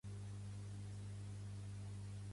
Pertany al moviment independentista la Vicky?